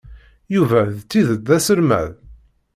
Yuba d tidet d aselmad?